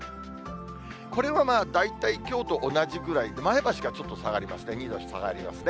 これは大体きょうと同じぐらいで、前橋がちょっと下がりますね、２度下がりますね。